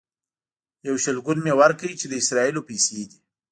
یو شلګون مې ورکړ چې د اسرائیلو پیسې دي.